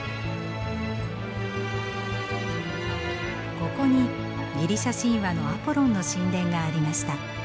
ここにギリシャ神話のアポロンの神殿がありました。